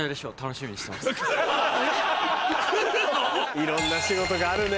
いろんな仕事があるね